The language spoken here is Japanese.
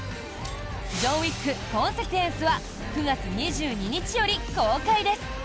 「ジョン・ウィック：コンセクエンス」は９月２２日より公開です。